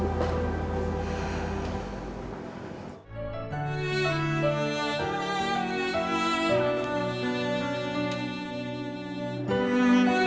enggak usah bu